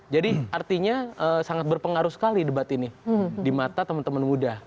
jadi artinya sangat berpengaruh sekali debat ini di mata teman teman muda